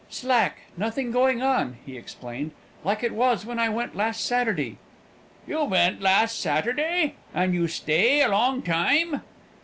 "Slack nothing going on," he explained; "like it was when I went last Saturday." "You went last Saturday? And you stay a long time?"